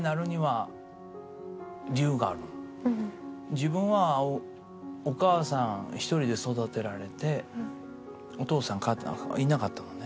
自分はお母さん一人で育てられてお父さんいなかったのね。